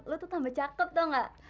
lo tuh tambah cakep tuh gak